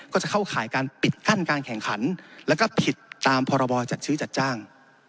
ก็จะเข้าข่ายการปิดกั้นการแข่งขันแล้วก็ผิดตามพรบจัดซื้อจัดจ้าง